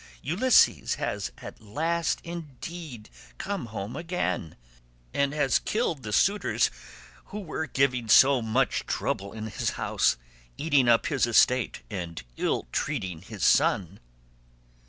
Ulysses has at last indeed come home again, and has killed the suitors who were giving so much trouble in his house, eating up his estate and ill treating his son."